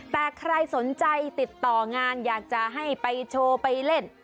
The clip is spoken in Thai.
แต่ใครสนใจติดต่องานอยากจะให้ไปโชว์ไปเล่น